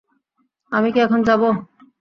আমি কি এখন যাবো?